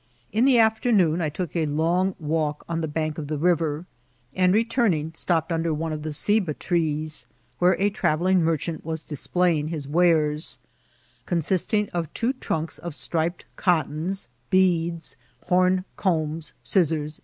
In the afternoon I took a long walk on the bank of the river, and, returning, stopped under one of the Ceiba trees^ where a travelling merchant was displaying his wares, consisting of two trunks of striped cottons, beads, horn combs, scissors.